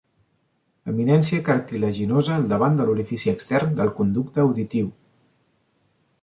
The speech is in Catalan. Eminència cartilaginosa al davant de l'orifici extern del conducte auditiu.